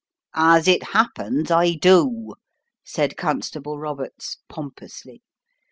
"As it happens, I do," said Constable Roberts, pompously.